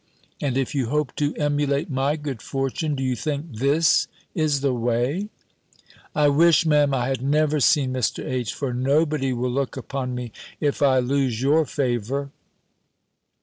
And if you hope to emulate my good fortune, do you think this is the way?" "I wish, Me'm, I had never seen Mr. H. For nobody will look upon me, if I lose your favour!"